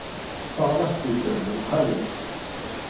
Taɣṛast yellan d lxali.